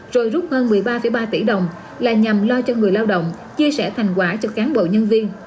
rồi rút hơn một mươi ba ba tỷ đồng là nhằm lo cho người lao động chia sẻ thành quả cho cán bộ nhân viên